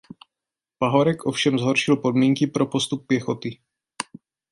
Pahorek ovšem zhoršil podmínky pro postup pěchoty.